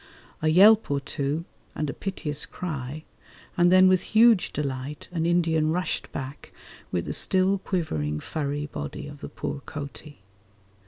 A yelp or two and a piteous cry, and then with huge delight an Indian rushed back with the still quivering furry body of the poor coati.